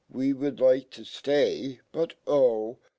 We>j^ould like to flay, but oh!